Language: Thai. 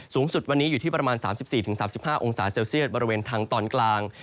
สูงสุดวันนี้อยู่ที่ประมาณ๓๔๓๕องศาเซลเซียตบริเวณทางตอนกลาง